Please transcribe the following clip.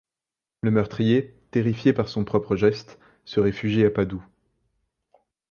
Le meurtrier, terrifié par son propre geste, se réfugie à Padoue.